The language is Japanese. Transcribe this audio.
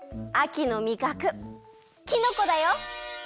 あきのみかくきのこだよ！